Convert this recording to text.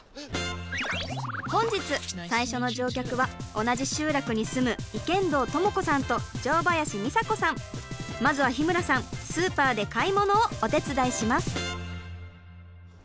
本日最初の乗客は同じ集落に住むまずは日村さんスーパーで買い物をお手伝いします。